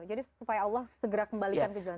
jadi supaya allah segera kembalikan ke diri